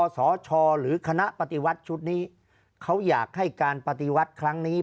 สชหรือคณะปฏิวัติชุดนี้เขาอยากให้การปฏิวัติครั้งนี้